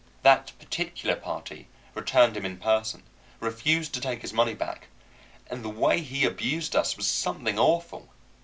That particular party returned him in person, refused to take his money back, and the way he abused us was something awful.